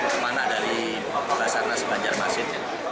kemana dari basarnas banjarmasin